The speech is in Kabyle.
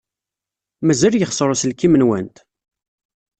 Mazal yexṣer uselkim-nwent?